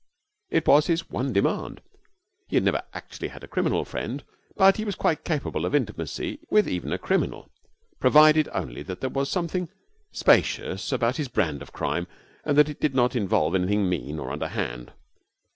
It was his one demand. He had never actually had a criminal friend, but he was quite capable of intimacy with even a criminal, provided only that there was something spacious about his brand of crime and that it did not involve anything mean or underhand.